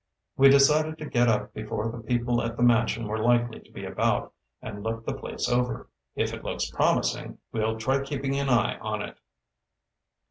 We decided to get up before the people at the mansion were likely to be about, and look the place over. If it looks promising, we'll try keeping an eye on it."